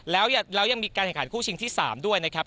แล้วยังมีการแข่งขันคู่ชิงที่๓ด้วยนะครับ